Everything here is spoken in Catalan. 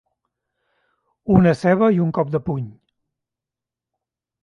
Una ceba i un cop de puny.